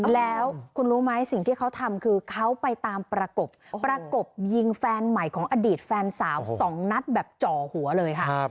แล้วคุณรู้ไหมสิ่งที่เขาทำคือเขาไปตามประกบประกบยิงแฟนใหม่ของอดีตแฟนสาว๒นัดแบบจ่อหัวเลยค่ะ